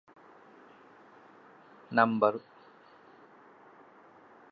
ނަންބަރު